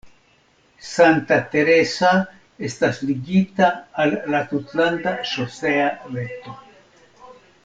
Santa Teresa estas ligita al la tutlanda ŝosea reto.